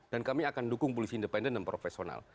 dan kami akan dukung polisi independen dan profesional